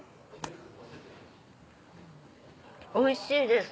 おいしいです。